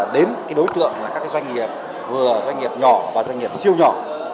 đến đối tượng là các doanh nghiệp vừa doanh nghiệp nhỏ và doanh nghiệp siêu nhỏ